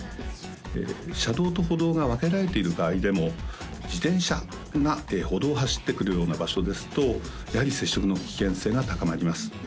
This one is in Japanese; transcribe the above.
車道と歩道が分けられている場合でも自転車が歩道を走ってくるような場所ですとやはり接触の危険性が高まります